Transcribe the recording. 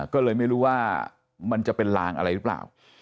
ก็เลยไม่รู้ว่ามันจะเป็นลางอะไรหรือเปล่า